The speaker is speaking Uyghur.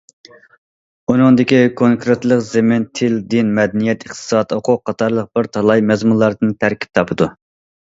ئۇنىڭدىكى كونكرېتلىق زېمىن، تىل، دىن، مەدەنىيەت، ئىقتىساد، ھوقۇق قاتارلىق بىر تالاي مەزمۇنلاردىن تەركىب تاپىدۇ.